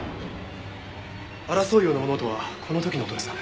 争うような物音はこの時の音ですかね？